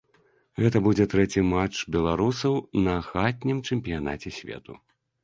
Гэта будзе трэці матч беларусаў на хатнім чэмпіянаце свету.